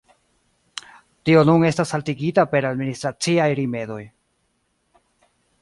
Tio nun estas haltigita per administraciaj rimedoj.